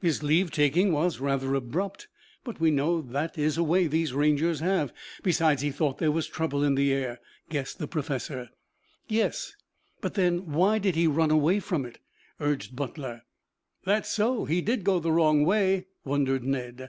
"His leave taking was rather abrupt. But we know that is a way these Rangers have. Besides he thought there was trouble in the air," guessed the professor. "Yes, but then why did he run away from it?" urged Butler. "That's so, he did go the wrong way," wondered Ned.